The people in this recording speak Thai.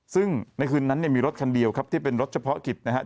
ซึ่งในคืนนั้นเนี่ยมีรถคันเดียวครับที่เป็นรถเฉพาะกิจนะครับ